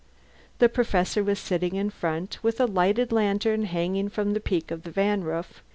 The Professor was sitting in front, with a lighted lantern hanging from the peak of the van roof.